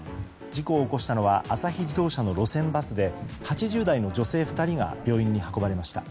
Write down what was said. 事故を起こしたのは朝日自動車の路線バスで８０代の女性２人が病院に運ばれました。